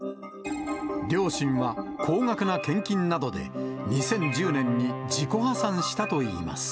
両親は、高額な献金などで、２０１０年に自己破産したといいます。